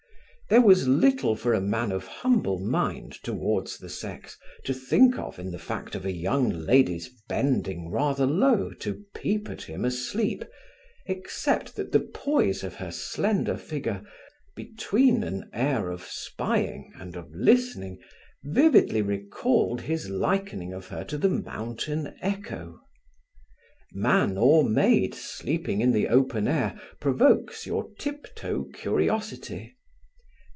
There was little for a man of humble mind toward the sex to think of in the fact of a young lady's bending rather low to peep at him asleep, except that the poise of her slender figure, between an air of spying and of listening, vividly recalled his likening of her to the Mountain Echo. Man or maid sleeping in the open air provokes your tiptoe curiosity.